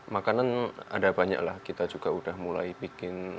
makanan ada banyak lah kita juga udah mulai bikin